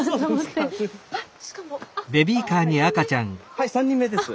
はい３人目です。